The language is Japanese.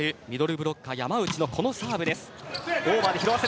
ブロッカー山内のこのサーブです。